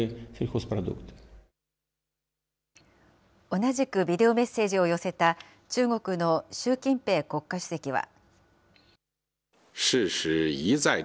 同じくビデオメッセージを寄せた、中国の習近平国家主席は。